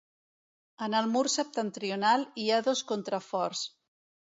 En el mur septentrional hi ha dos contraforts.